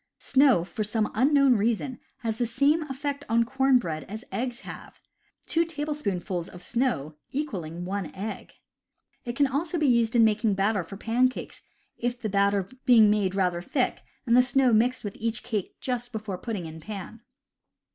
Snow, for some unknown reason, has the same effect on corn bread as eggs have, two tablespoonfuls of snow equaling one egg. It can also be used in making batter for pancakes, the batter being made rather thick, and the snow mixed with each cake just before putting in the pan.